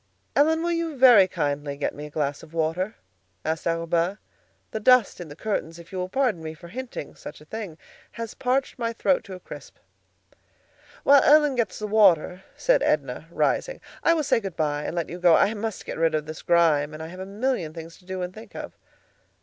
"Ellen, will you very kindly get me a glass of water?" asked Arobin. "The dust in the curtains, if you will pardon me for hinting such a thing, has parched my throat to a crisp." "While Ellen gets the water," said Edna, rising, "I will say good by and let you go. I must get rid of this grime, and I have a million things to do and think of."